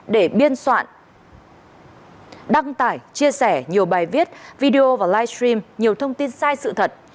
để biên soạn đăng tải chia sẻ nhiều bài viết video và livestream nhiều thông tin sai sự thật